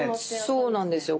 そうなんですよ。